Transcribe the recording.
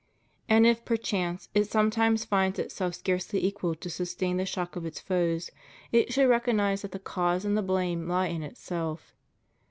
And if perchance it sometimes finds itself scarcely equal to sustain the shock of its foes, it should recognize that the cause and the blame he in itself.